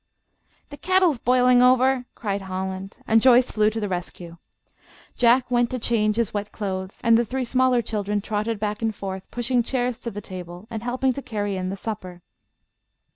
"The kettle is boiling over!" cried Holland, and Joyce flew to the rescue. Jack went to change his wet clothes, and the three smaller children trotted back and forth, pushing chairs to the table, and helping to carry in the supper.